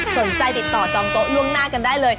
สนใจติดต่อจองโต๊ะล่วงหน้ากันได้เลย